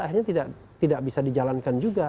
akhirnya tidak bisa dijalankan juga